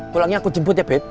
pulangnya aku jemput ya bed